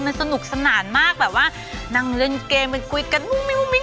มันสนุกสนานมากแบบว่านั่งเล่นเกมเพื่อนกลุ่มบอกจะมาเดี๋ยวกัน